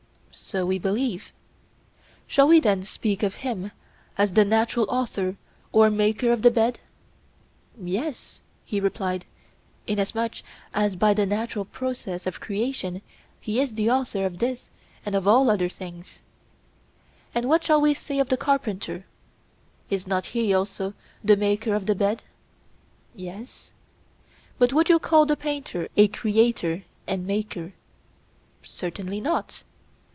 So we believe. Shall we, then, speak of Him as the natural author or maker of the bed? Yes, he replied; inasmuch as by the natural process of creation He is the author of this and of all other things. And what shall we say of the carpenter—is not he also the maker of the bed? Yes. But would you call the painter a creator and maker? Certainly not.